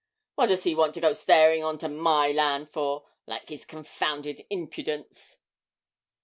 What does he want to go staring on to my land for like his confounded impudence!'